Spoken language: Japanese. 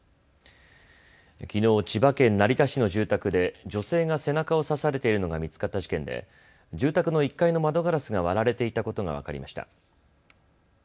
きのう、千葉県成田市の住宅で女性が背中を刺されているのが見つかった事件で住宅の１階の窓ガラスが割られていたことが分かりました。